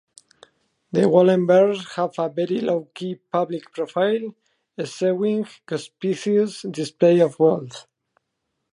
The Wallenbergs have a very low-key public profile, eschewing conspicuous displays of wealth.